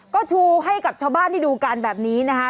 ก็ชูให้กับชาวบ้านได้ดูกันแบบนี้นะคะ